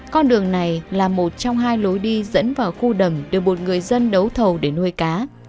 con đường này là một trong hai lối đi dẫn vào khu đầm được một người dân đấu thầu để nuôi cá